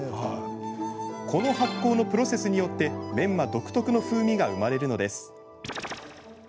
この発酵のプロセスによってメンマ独特の風味が生まれるのです。